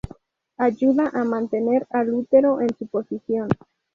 Ayuda a mantener al útero en su posición.